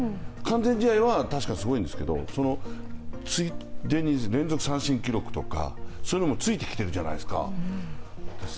完全試合は確かにすごいんですけど、ついでに連続三振記録とかそういうのもついてきてるじゃないですか。